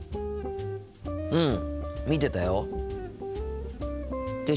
うん見てたよ。って